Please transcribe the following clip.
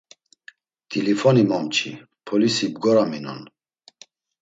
T̆ilifoni momçi, polisi bgoraminon.